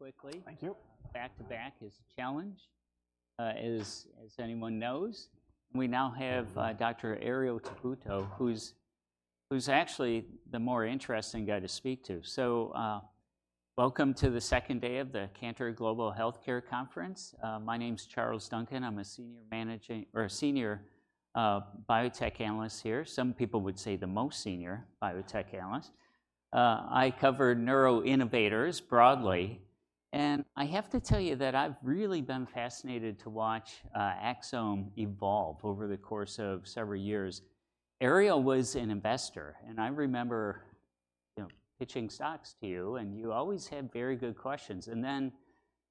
quickly. Thank you. Back to back is a challenge, as anyone knows. We now have Dr. Herriot Tabuteau, who's actually the more interesting guy to speak to. Welcome to the second day of the Cantor Global Healthcare Conference. My name's Charles Duncan. I'm a senior managing, or a senior, biotech analyst here. Some people would say the most senior biotech analyst. I cover neuro-innovators broadly, and I have to tell you that I've really been fascinated to watch Axsome evolve over the course of several years. Herriot was an investor, and I remember, you know, pitching stocks to you, and you always had very good questions. And then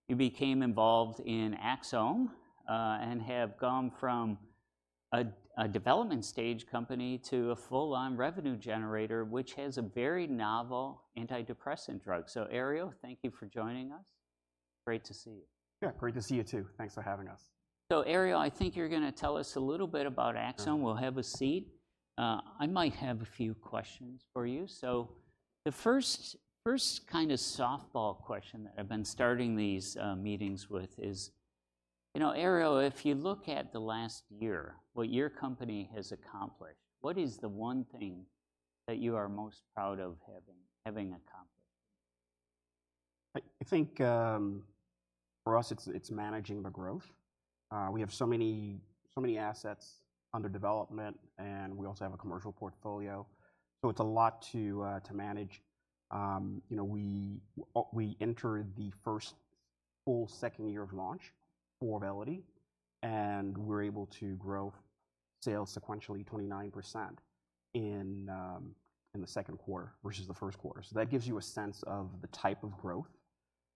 you became involved in Axsome, and have gone from a development stage company to a full-line revenue generator, which has a very novel antidepressant drug. Herriot, thank you for joining us. Great to see you. Yeah, great to see you, too. Thanks for having us. So Herriot, I think you're gonna tell us a little bit about Axsome. Yeah. We'll have a seat. I might have a few questions for you. So the first kind of softball question that I've been starting these meetings with is, you know, Herriot, if you look at the last year, what your company has accomplished, what is the one thing that you are most proud of having accomplished? I think for us, it's managing the growth. We have so many assets under development, and we also have a commercial portfolio, so it's a lot to manage. You know, we entered the first full second year of launch for Auvelity, and we're able to grow sales sequentially 29% in the second quarter versus the first quarter. So that gives you a sense of the type of growth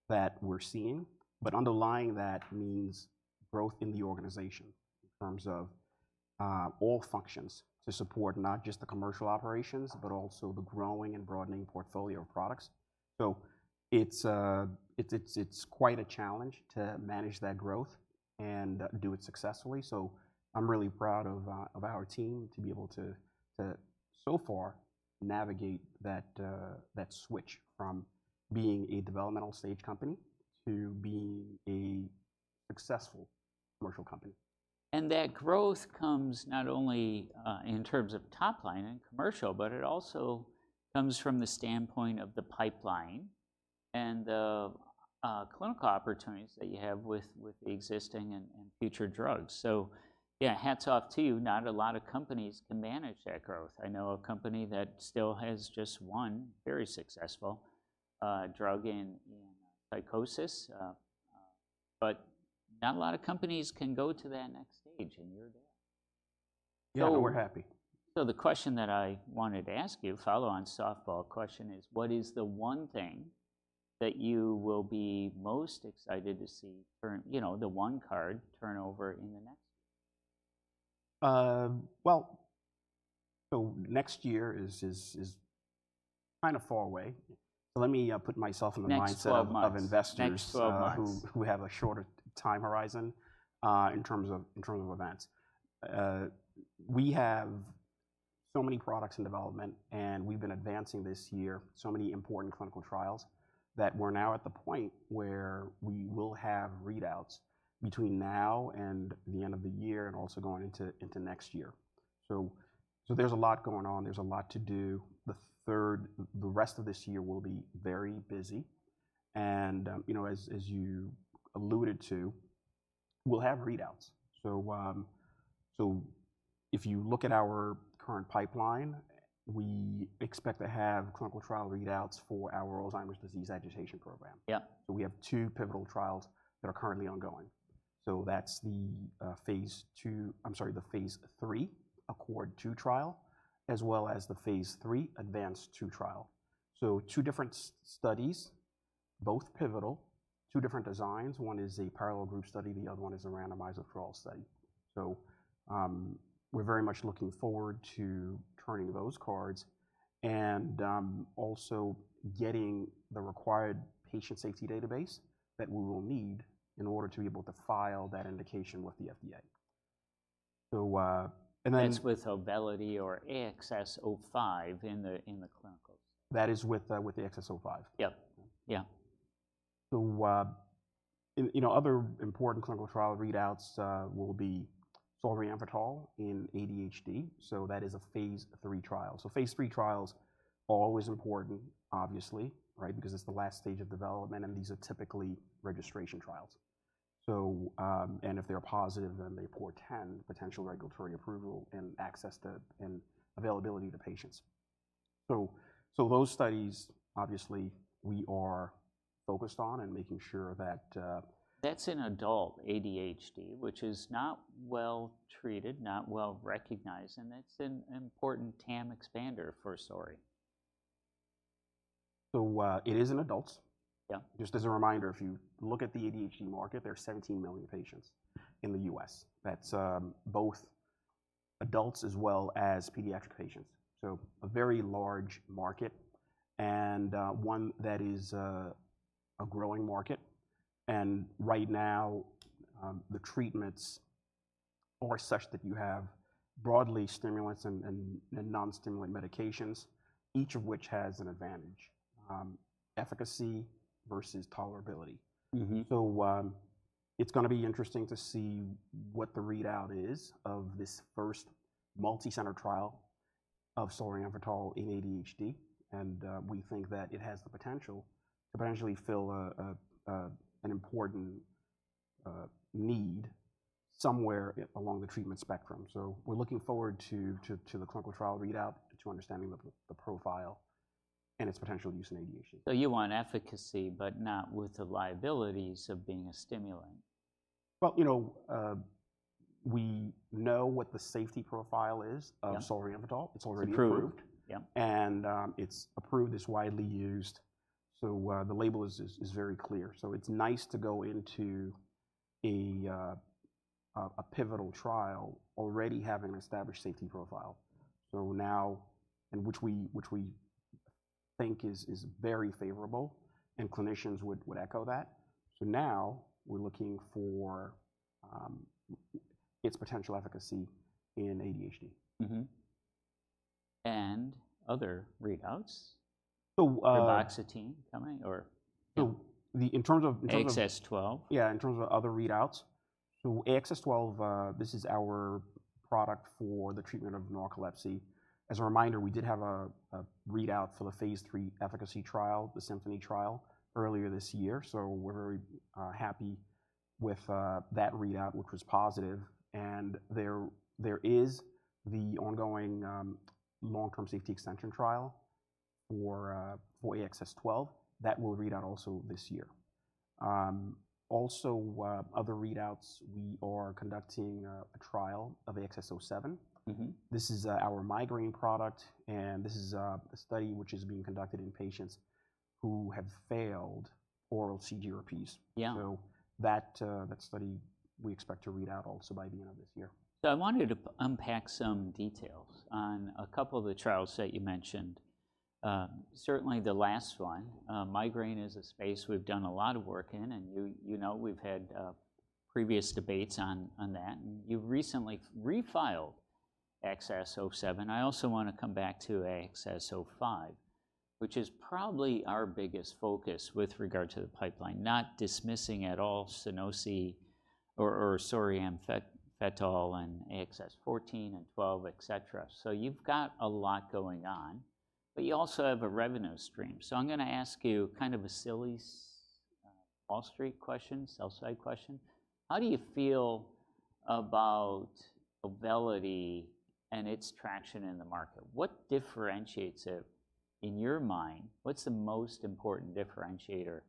that we're seeing, but underlying that means growth in the organization in terms of all functions to support not just the commercial operations, but also the growing and broadening portfolio of products. So it's quite a challenge to manage that growth and do it successfully, so I'm really proud of our team to be able to so far navigate that switch from being a developmental stage company to being a successful commercial company. That growth comes not only in terms of top line and commercial, but it also comes from the standpoint of the pipeline and the clinical opportunities that you have with the existing and future drugs. So yeah, hats off to you. Not a lot of companies can manage that growth. I know a company that still has just one very successful drug in psychosis, but not a lot of companies can go to that next stage, and you're there. So- Yeah, we're happy. The question that I wanted to ask you, follow on softball question, is: what is the one thing that you will be most excited to see turn, you know, the one card turn over in the next? Well, so next year is kind of far away. Yeah. So let me put myself in the mindset- Next 12 months... of investors- Next 12 months... who have a shorter time horizon in terms of events. We have so many products in development, and we've been advancing this year so many important clinical trials, that we're now at the point where we will have readouts between now and the end of the year and also going into next year. So there's a lot going on. There's a lot to do. The rest of this year will be very busy, and you know, as you alluded to, we'll have readouts. So if you look at our current pipeline, we expect to have clinical trial readouts for our Alzheimer's disease agitation program. Yeah. So we have two pivotal trials that are currently ongoing. So that's the phase III, ACCORD-2 trial, as well as the phase III, ADVANCE-2 trial. So two different studies, both pivotal, two different designs. One is a parallel group study, the other one is a randomized withdrawal study. So we're very much looking forward to turning those cards and also getting the required patient safety database that we will need in order to be able to file that indication with the FDA. So and then- That's with Auvelity or AXS-05 in the clinicals? That is with the AXS-05. Yep. Yeah. So, you know, other important clinical trial readouts will be solriamfetol in ADHD, so that is a phase III trial. So phase III trial's always important, obviously, right? Because it's the last stage of development, and these are typically registration trials. So, and if they're positive, then they portend potential regulatory approval and access to and availability to patients. So, so those studies, obviously, we are focused on and making sure that, That's in adult ADHD, which is not well treated, not well recognized, and that's an important TAM expander for Sunosi. It is in adults. Yeah. Just as a reminder, if you look at the ADHD market, there are 17 million patients in the US. That's both adults as well as pediatric patients, so a very large market and one that is a growing market. And right now, the treatments or such that you have broadly stimulants and non-stimulant medications, each of which has an advantage. Efficacy versus tolerability. Mm-hmm. So, it's gonna be interesting to see what the readout is of this first multicenter trial of solriamfetol in ADHD, and we think that it has the potential to potentially fill an important need somewhere along the treatment spectrum. So we're looking forward to the clinical trial readout, to understanding the profile and its potential use in ADHD. So you want efficacy, but not with the liabilities of being a stimulant? You know, we know what the safety profile is- Yeah... of solriamfetol. It's already approved. Approved, yeah. It's approved. It's widely used, so the label is very clear. It's nice to go into a pivotal trial already having an established safety profile. So now, and which we think is very favorable, and clinicians would echo that. So now we're looking for its potential efficacy in ADHD. Mm-hmm. And other readouts? So, uh- Paroxetine coming or- So, in terms of AXS-12. Yeah, in terms of other readouts, so AXS-12, this is our product for the treatment of narcolepsy. As a reminder, we did have a readout for the phase III efficacy trial, the Symphony trial, earlier this year. So we're very happy with that readout, which was positive. And there is the ongoing long-term safety extension trial for AXS-12. That will read out also this year. Also, other readouts, we are conducting a trial of AXS-07. Mm-hmm. This is our migraine product, and this is a study which is being conducted in patients who have failed oral CGRPs. Yeah. So that study, we expect to read out also by the end of this year. So I want you to unpack some details on a couple of the trials that you mentioned. Certainly the last one. Migraine is a space we've done a lot of work in, and you know, we've had previous debates on that, and you've recently refiled AXS-07. I also wanna come back to AXS-05, which is probably our biggest focus with regard to the pipeline. Not dismissing at all Sunosi or solriamfetol and AXS-14 and 12, et cetera. So I'm gonna ask you kind of a silly Wall Street question, sell-side question: how do you feel about Auvelity and its traction in the market? What differentiates it in your mind? What's the most important differentiator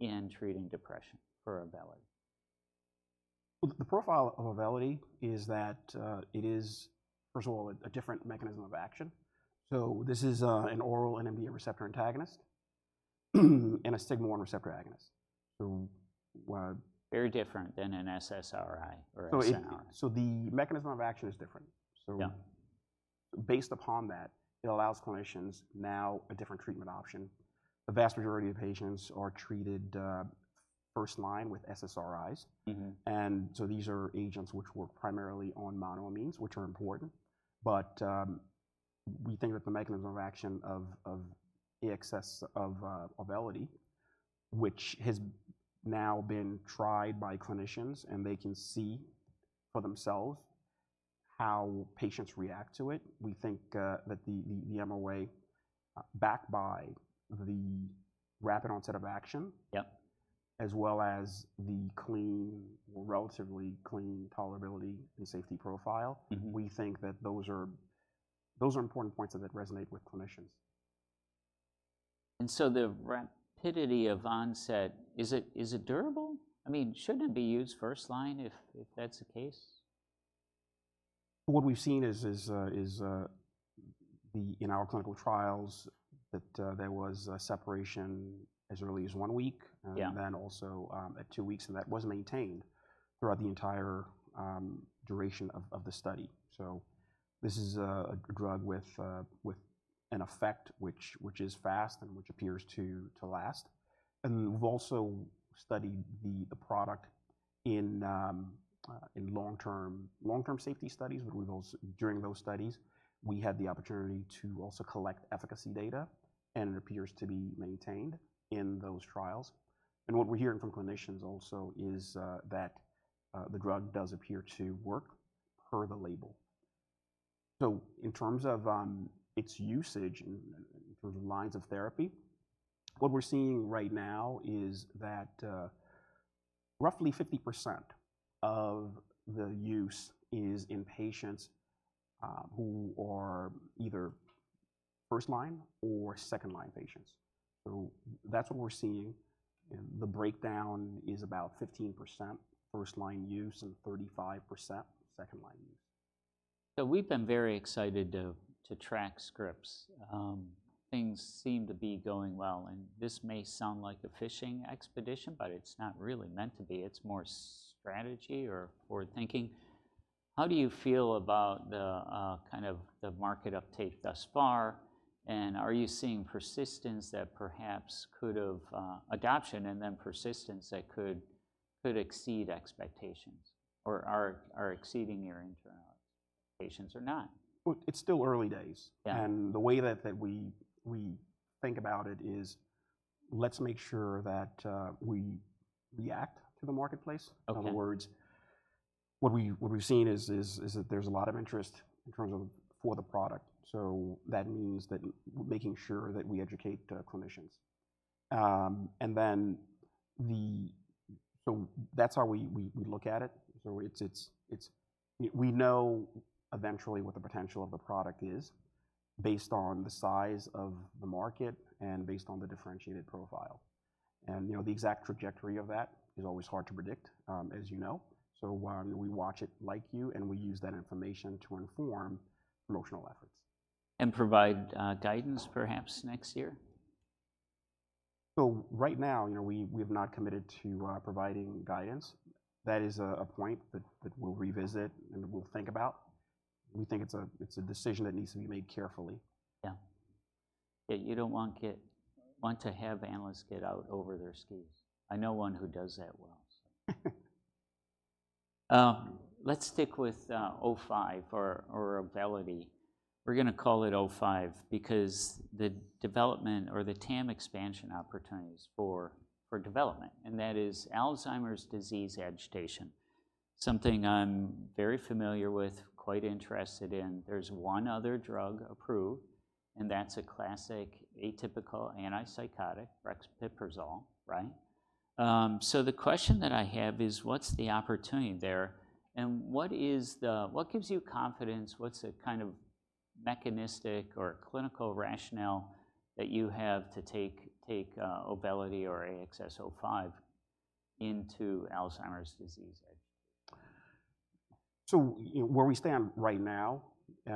in treating depression for Auvelity? The profile of Auvelity is that it is, first of all, a different mechanism of action. So this is an oral NMDA receptor antagonist, and a sigma-1 receptor agonist. So, Very different than an SSRI or SNRI. So the mechanism of action is different. Yeah. So based upon that, it allows clinicians now a different treatment option. The vast majority of patients are treated first line with SSRIs. Mm-hmm. These are agents which work primarily on monoamines, which are important, but we think that the mechanism of action of Auvelity, which has now been tried by clinicians, and they can see for themselves how patients react to it. We think that the MOA backed by the rapid onset of action- Yep... as well as the clean, relatively clean tolerability and safety profile- Mm-hmm... we think that those are important points that resonate with clinicians. And so the rapidity of onset, is it durable? I mean, shouldn't it be used first line if that's the case? What we've seen is, in our clinical trials, that there was a separation as early as one week. Yeah... and then also, at two weeks, and that was maintained throughout the entire, duration of the study. So this is a drug with an effect which is fast and which appears to last. And we've also studied the product in long-term safety studies, but we've also during those studies, we had the opportunity to also collect efficacy data, and it appears to be maintained in those trials. And what we're hearing from clinicians also is that the drug does appear to work per the label. So in terms of its usage in terms of lines of therapy, what we're seeing right now is that roughly 50% of the use is in patients who are either first-line or second-line patients. So that's what we're seeing, and the breakdown is about 15% first-line use and 35% second-line use. So we've been very excited to track scripts. Things seem to be going well, and this may sound like a fishing expedition, but it's not really meant to be. It's more strategy or thinking. How do you feel about the kind of market uptake thus far, and are you seeing persistence that perhaps could have adoption, and then persistence that could exceed expectations or are exceeding your internal patients or not? It's still early days. Yeah. The way that we think about it is, let's make sure that we react to the marketplace. Okay. In other words, what we've seen is that there's a lot of interest in terms of for the product, so that means that making sure that we educate clinicians. And then the... So that's how we look at it. So it's we know eventually what the potential of the product is based on the size of the market and based on the differentiated profile. And, you know, the exact trajectory of that is always hard to predict, as you know, so we watch it like you, and we use that information to inform promotional efforts. And provide guidance perhaps next year? So right now, you know, we have not committed to providing guidance. That is a point that we'll revisit and we'll think about. We think it's a decision that needs to be made carefully. Yeah. Yeah, you don't want to have analysts get out over their skis. I know one who does that well, so. Let's stick with 05 or Auvelity. We're gonna call it 05 because the development or the TAM expansion opportunities for development, and that is Alzheimer's disease agitation. Something I'm very familiar with, quite interested in. There's one other drug approved, and that's a classic atypical antipsychotic, brexpiprazole, right? So the question that I have is: what's the opportunity there, and what gives you confidence? What's the kind of mechanistic or clinical rationale that you have to take Auvelity or AXS-05 into Alzheimer's disease agitation? So, you know, where we stand right now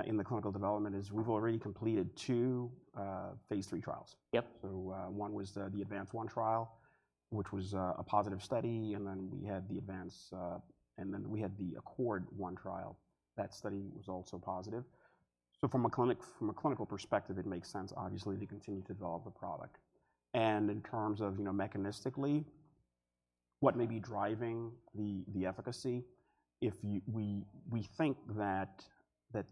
in the clinical development is we've already completed two phase III trials. Yep. So, one was the ADVANCE-1 trial, which was a positive study, and then we had the ADVANCE-2. And then we had the ACCORD-1 trial. That study was also positive. So from a clinical perspective, it makes sense, obviously, to continue to develop the product. And in terms of, you know, mechanistically, what may be driving the efficacy, we think that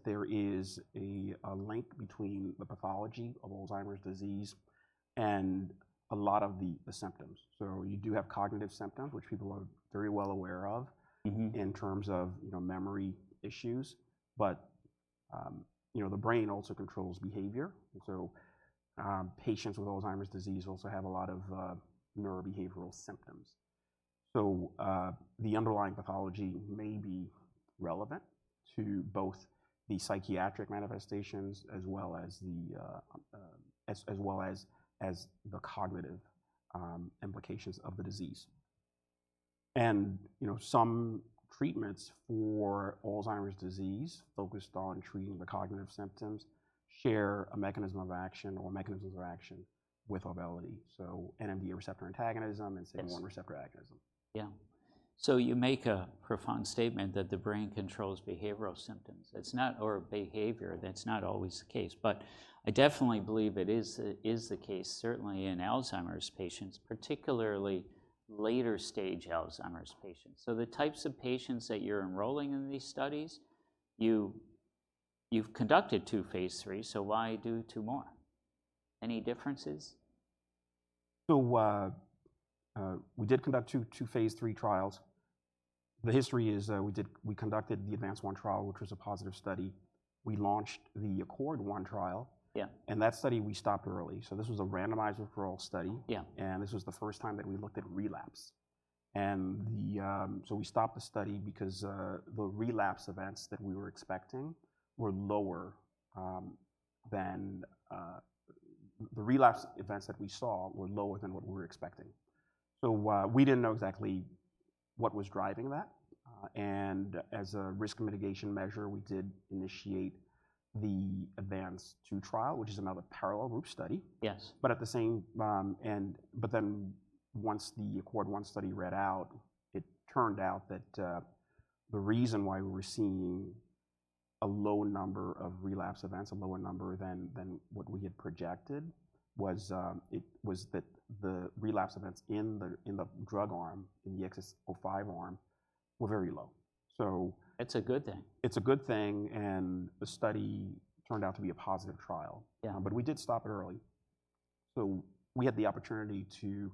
there is a link between the pathology of Alzheimer's disease and a lot of the symptoms. So you do have cognitive symptoms, which people are very well aware of. Mm-hmm... in terms of, you know, memory issues. But, you know, the brain also controls behavior, and so, patients with Alzheimer's disease also have a lot of neurobehavioral symptoms. So, the underlying pathology may be relevant to both the psychiatric manifestations as well as the cognitive implications of the disease. And, you know, some treatments for Alzheimer's disease focused on treating the cognitive symptoms, share a mechanism of action or mechanisms of action with Auvelity, so NMDA receptor antagonism and say- Yes... sigma-1 receptor antagonism. Yeah. So you make a profound statement that the brain controls behavioral symptoms. It's not... or behavior, that's not always the case. But I definitely believe it is the case, certainly in Alzheimer's patients, particularly later-stage Alzheimer's patients. So the types of patients that you're enrolling in these studies, you've conducted two phase III, so why do two more? Any differences? We did conduct two phase III trials. The history is, we conducted the ADVANCE-1 trial, which was a positive study. We launched the ACCORD-1 trial. Yeah. That study, we stopped early. This was a randomized withdrawal study. Yeah. This was the first time that we looked at relapse. So we stopped the study because the relapse events that we saw were lower than what we were expecting. We didn't know exactly what was driving that, and as a risk mitigation measure, we did initiate the ADVANCE-2 trial, which is another parallel group study. Yes. But at the same. But then once the ACCORD-1 study read out, it turned out that the reason why we were seeing a low number of relapse events, a lower number than what we had projected, was it was that the relapse events in the drug arm, in the AXS-05 arm, were very low. So- It's a good thing. It's a good thing, and the study turned out to be a positive trial. Yeah. But we did stop it early. So we had the opportunity to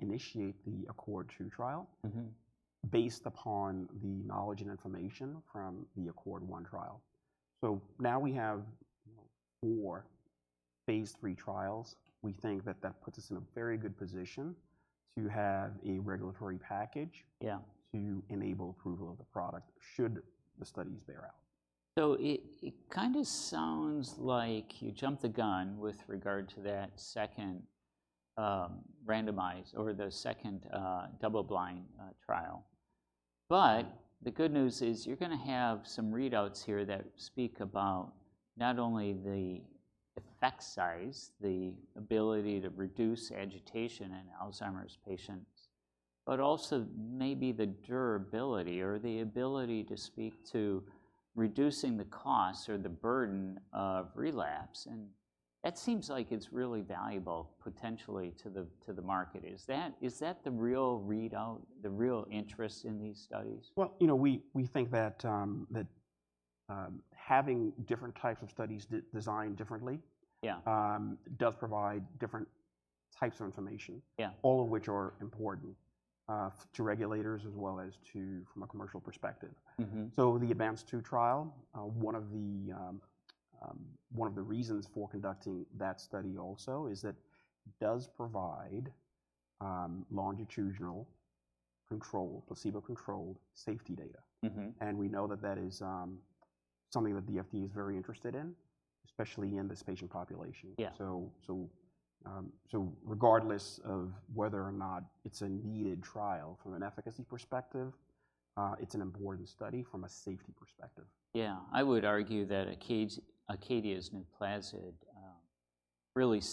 initiate the ACCORD-2 trial. Mm-hmm... based upon the knowledge and information from the ACCORD-1 trial. So now we have four phase III trials. We think that that puts us in a very good position to have a regulatory package- Yeah... to enable approval of the product, should the studies bear out. It kind of sounds like you jumped the gun with regard to that second randomized or the second double-blind trial. But the good news is, you're gonna have some readouts here that speak about not only the effect size, the ability to reduce agitation in Alzheimer's patients, but also maybe the durability or the ability to speak to reducing the costs or the burden of relapse. And that seems like it's really valuable potentially to the market. Is that the real readout, the real interest in these studies? You know, we think that having different types of studies designed differently. Yeah. does provide different types of information. Yeah. All of which are important to regulators as well as to, from a commercial perspective. Mm-hmm. So the ADVANCE-2 trial, one of the reasons for conducting that study also is that it does provide longitudinal control, placebo-controlled safety data. Mm-hmm. And we know that that is something that the FDA is very interested in, especially in this patient population. Yeah. Regardless of whether or not it's a needed trial from an efficacy perspective, it's an important study from a safety perspective. Yeah. I would argue that Acadia's Nuplazid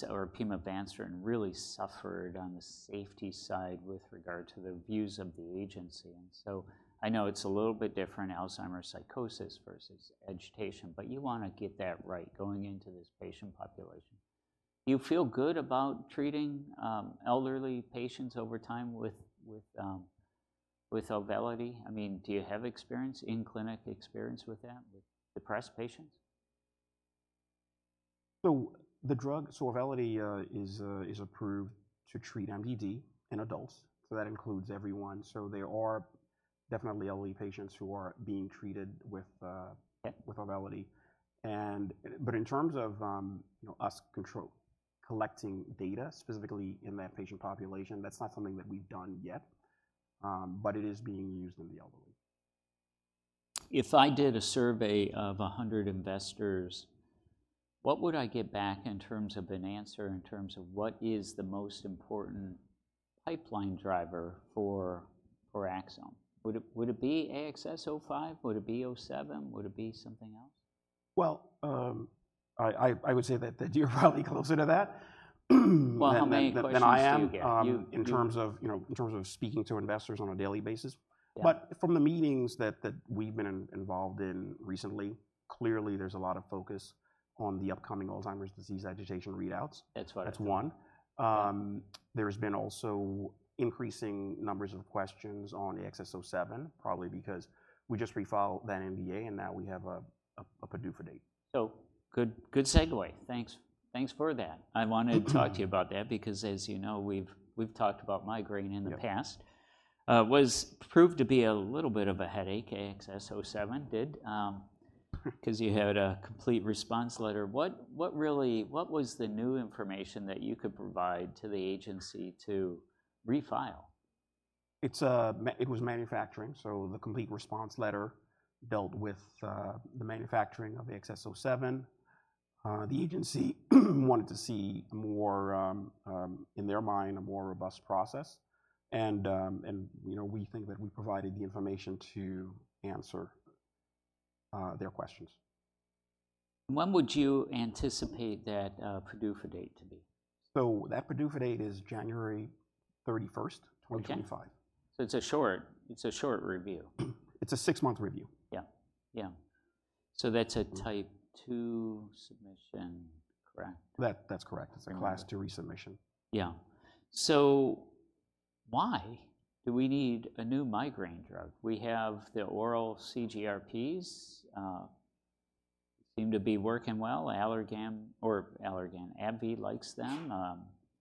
or pimavanserin really suffered on the safety side with regard to the views of the agency. And so I know it's a little bit different, Alzheimer's psychosis versus agitation, but you wanna get that right going into this patient population. Do you feel good about treating elderly patients over time with Auvelity? I mean, do you have experience in clinic, experience with that, with depressed patients? Auvelity is approved to treat MDD in adults, so that includes everyone. There are definitely elderly patients who are being treated with Auvelity. In terms of you know collecting data specifically in that patient population, that's not something that we've done yet, but it is being used in the elderly. If I did a survey of a hundred investors, what would I get back in terms of an answer, in terms of what is the most important pipeline driver for Axsome? Would it be AXS-05? Would it be AXS-07? Would it be something else? I would say that you're probably closer to that. How many questions do you get? - than I am, in terms of, you know, in terms of speaking to investors on a daily basis. Yeah. From the meetings that we've been involved in recently, clearly there's a lot of focus on the upcoming Alzheimer's disease agitation readouts. That's what- That's one. There's been also increasing numbers of questions on AXS-07, probably because we just refiled that NDA, and now we have a PDUFA date. So, good segue. Thanks for that. I wanted to talk to you about that because, as you know, we've talked about migraine in the past. Yeah. Was proved to be a little bit of a headache, AXS-07 did, 'cause you had a complete response letter. What really was the new information that you could provide to the agency to refile? It was manufacturing, so the Complete Response Letter dealt with the manufacturing of AXS-07. The agency wanted to see more, in their mind, a more robust process. You know, we think that we provided the information to answer their questions. When would you anticipate that PDUFA date to be? That PDUFA date is January 31st, 2025. Okay, so it's a short review. It's a six-month review. Yeah. Yeah. Mm-hmm... Type 2 submission, correct? That, that's correct. Okay. It's a Class 2 resubmission. Yeah. So why do we need a new migraine drug? We have the oral CGRPs seem to be working well. Allergan, AbbVie likes them.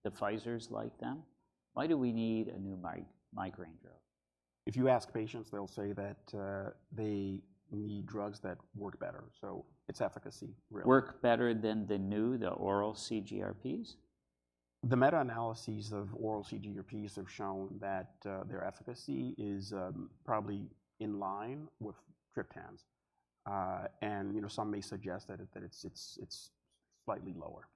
The Pfizers like them. Why do we need a new migraine drug? If you ask patients, they'll say that, they need drugs that work better, so it's efficacy, really. Work better than the new, the oral CGRPs? The meta-analyses of oral CGRPs have shown that their efficacy is probably in line with triptans. And, you know, some may suggest that it's slightly lower.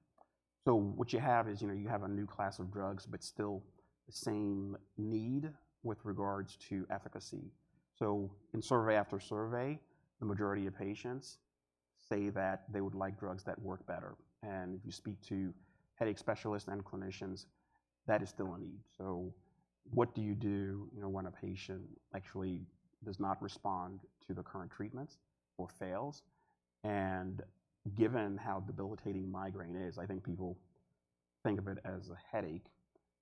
So what you have is, you know, you have a new class of drugs, but still the same need with regards to efficacy. So in survey after survey, the majority of patients say that they would like drugs that work better. And if you speak to headache specialists and clinicians, that is still a need. So what do you do, you know, when a patient actually does not respond to the current treatments or fails? And given how debilitating migraine is, I think people think of it as a headache,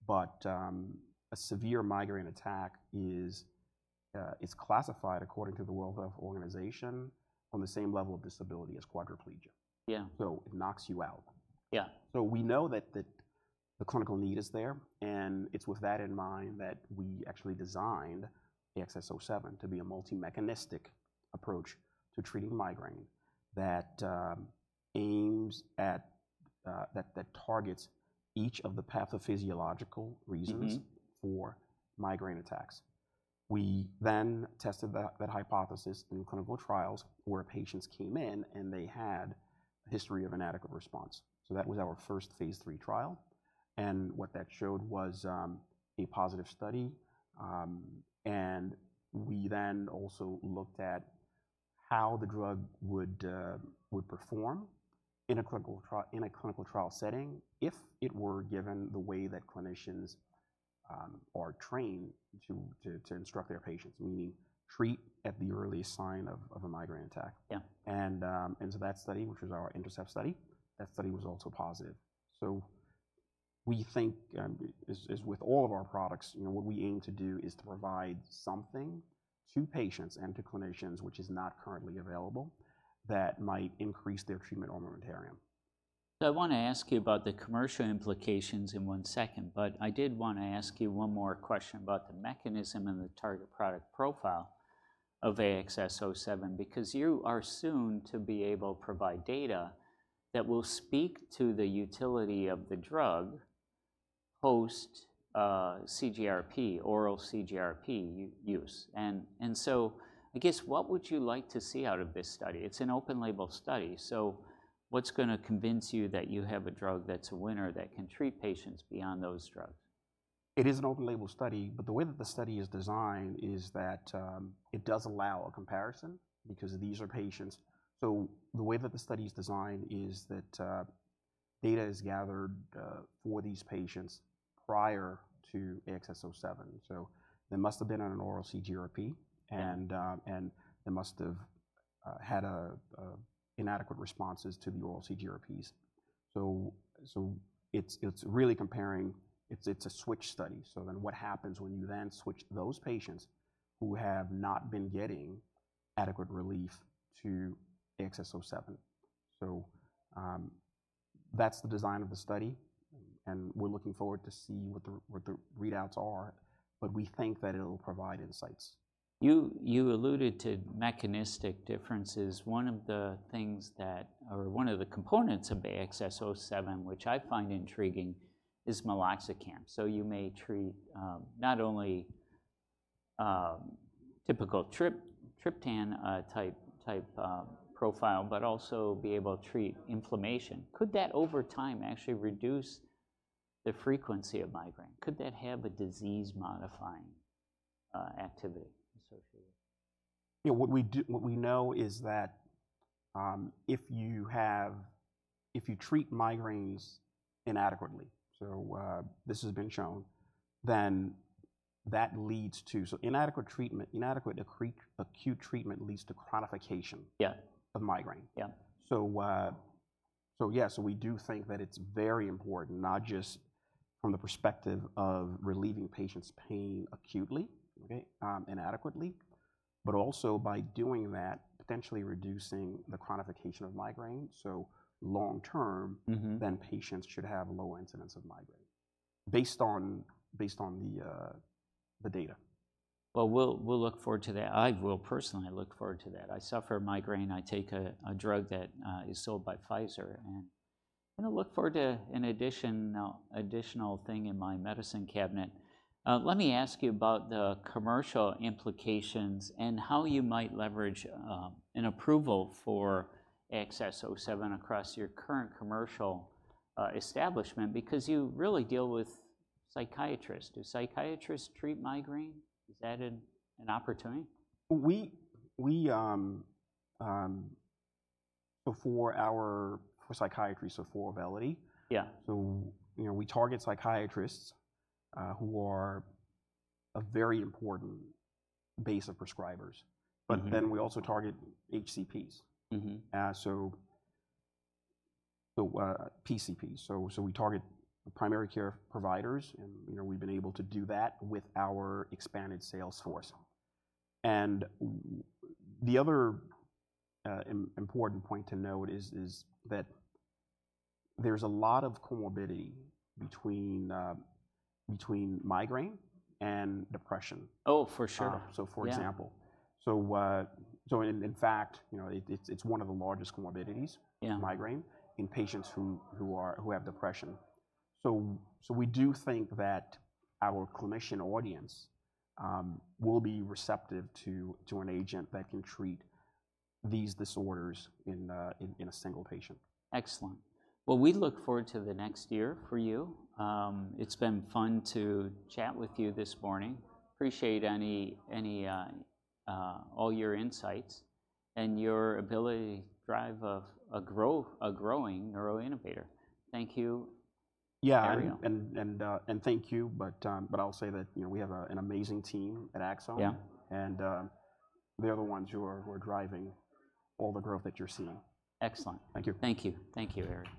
but a severe migraine attack is classified according to the World Health Organization on the same level of disability as quadriplegia. Yeah. So it knocks you out. Yeah. So we know that the clinical need is there, and it's with that in mind that we actually designed the AXS-07 to be a multi-mechanistic approach to treating migraine that targets each of the pathophysiological reasons. Mm-hmm... for migraine attacks. We then tested that hypothesis in clinical trials, where patients came in, and they had a history of inadequate response. So that was our first phase III trial, and what that showed was a positive study. And we then also looked at how the drug would perform in a clinical trial setting if it were given the way that clinicians are trained to instruct their patients, meaning treat at the early sign of a migraine attack. Yeah. That study, which was our INTERCEPT study, was also positive. We think, as with all of our products, you know, what we aim to do is to provide something to patients and to clinicians which is not currently available that might increase their treatment armamentarium. I want to ask you about the commercial implications in one second, but I did want to ask you one more question about the mechanism and the target product profile of AXS-07, because you are soon to be able to provide data that will speak to the utility of the drug post CGRP, oral CGRP use, and so I guess, what would you like to see out of this study? It's an open label study, so what's gonna convince you that you have a drug that's a winner, that can treat patients beyond those drugs? It is an open-label study, but the way that the study is designed is that it does allow a comparison because these are patients. So the way that the study is designed is that data is gathered for these patients prior to AXS-07. So they must have been on an oral CGRP- Yeah ... and they must have had inadequate responses to the oral CGRPs. So it's really comparing. It's a switch study, so then what happens when you then switch those patients who have not been getting adequate relief to AXS-07? So that's the design of the study, and we're looking forward to seeing what the readouts are, but we think that it'll provide insights. You alluded to mechanistic differences. One of the things or one of the components of AXS-07, which I find intriguing, is meloxicam. So you may treat not only typical triptan type profile, but also be able to treat inflammation. Could that, over time, actually reduce the frequency of migraine? Could that have a disease-modifying activity associated? Yeah, what we know is that if you treat migraines inadequately, so this has been shown, then that leads to inadequate treatment. Inadequate acute treatment leads to chronification. Yeah... of migraine. Yeah. So yeah, we do think that it's very important, not just from the perspective of relieving patients' pain acutely, okay, and adequately, but also by doing that, potentially reducing the chronification of migraine. So long term- Mm-hmm... then patients should have a low incidence of migraine, based on the data. We'll look forward to that. I will personally look forward to that. I suffer migraine. I take a drug that is sold by Pfizer, and gonna look forward to an addition, additional thing in my medicine cabinet. Let me ask you about the commercial implications and how you might leverage an approval for AXS-07 across your current commercial establishment, because you really deal with psychiatrists. Do psychiatrists treat migraine? Is that an opportunity? Before our psychiatry, so for Auvelity- Yeah... so, you know, we target psychiatrists, who are a very important base of prescribers. Mm-hmm. But then we also target HCPs. Mm-hmm. The PCPs. We target the primary care providers, and you know, we've been able to do that with our expanded sales force. The other important point to note is that there's a lot of comorbidity between migraine and depression. Oh, for sure. So for example- Yeah... so in fact, you know, it's one of the largest comorbidities- Yeah... migraine, in patients who have depression. So we do think that our clinician audience will be receptive to an agent that can treat these disorders in a single patient. Excellent. We look forward to the next year for you. It's been fun to chat with you this morning. Appreciate all your insights and your ability to drive a growing neuro innovator. Thank you, Herriot. Yeah, and thank you, but I'll say that, you know, we have an amazing team at Axsome. Yeah. They're the ones who are driving all the growth that you're seeing. Excellent. Thank you. Thank you. Thank you, Herriot.